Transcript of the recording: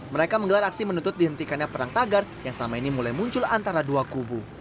mereka menggelar aksi menuntut dihentikannya perang tagar yang selama ini mulai muncul antara dua kubu